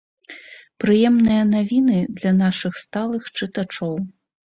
Прыемныя навіны для нашых сталых чытачоў!